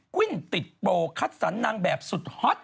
วิ้นติดโปรคัดสรรนางแบบสุดฮอต